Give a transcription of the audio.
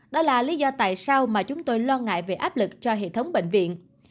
đó là lý do tại sao mà chúng tôi lo ngại về áp lực cho hệ thống bệnh viện